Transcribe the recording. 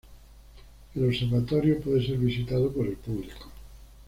El observatorio puede ser visitado por el público.